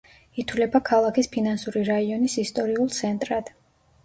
ითვლება ქალაქის ფინანსური რაიონის ისტორიულ ცენტრად.